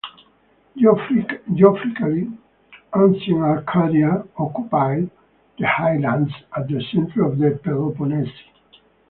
Geographically, ancient Arcadia occupied the highlands at the centre of the Peloponnese.